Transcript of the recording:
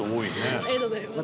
ありがとうございます。